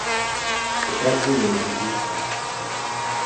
Opravdu nemohu zůstat.